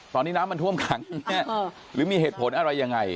ตอนนี้น้ำมันท่วมขังหรือมีเหตุผลอะไรยังไง